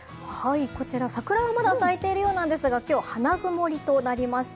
こちら桜はまだ咲いているようなんですが、今日、花曇りとなりました。